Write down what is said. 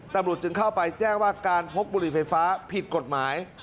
ตำรวจจึงเข้าไปแจ้งว่าการพกบุหรี่ไฟฟ้าผิดกฎหมาย